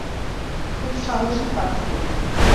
খুব সাহসী পাখি তুই।